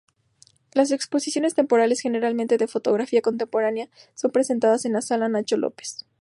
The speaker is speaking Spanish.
Las exposiciones temporales, generalmente de fotografía contemporánea, son presentadas en la sala Nacho López.